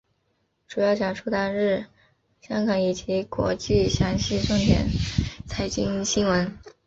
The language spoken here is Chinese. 主要讲述当日香港以及国际详细重点财经新闻。